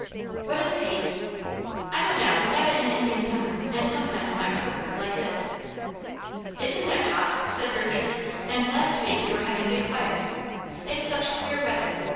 "What is haze?" "I don't know. We have it in Indian summer, and sometimes in October, like this." "Isn't it hot?" said Gertrude; "and last week we were having big fires. It's such queer weather.